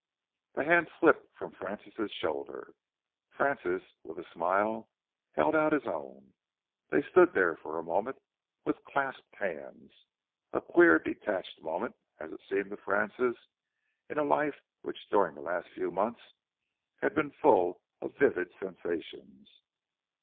The hand slipped from Francis' shoulder. Francis, with a smile, held out his own. They stood there for a moment with clasped hands a queer, detached moment, as it seemed to Francis, in a life which during the last few months had been full of vivid sensations.